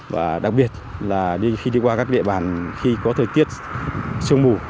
và đặc biệt là khi đi qua các địa bàn khi có thời tiết sương mù